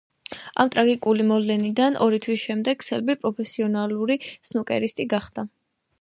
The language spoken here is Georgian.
ამ ტრაგიკული მოვლენიდან ორი თვის შემდეგ სელბი პროფესიონალი სნუკერისტი გახდა.